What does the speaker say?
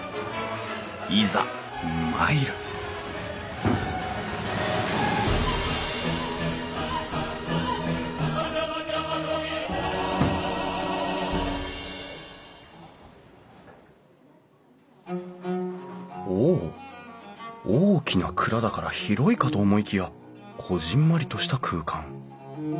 いざ参るお大きな蔵だから広いかと思いきやこぢんまりとした空間。